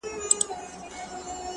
پرون مي ستا په ياد كي شپه رڼه كړه،